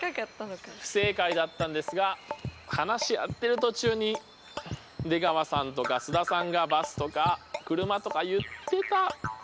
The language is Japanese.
不正解だったんですが話し合ってる途中に出川さんとか須田さんがバスとか車とか言ってたけど。